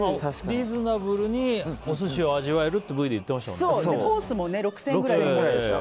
リーズナブルにお寿司を味わえるってコースも６０００円ぐらいですし。